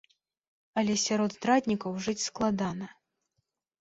Але сярод здраднікаў жыць складана.